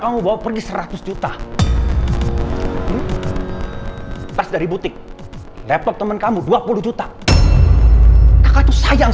kamu bawa pergi seratus juta pas dari butik laptop temen kamu dua puluh juta kakak itu sayang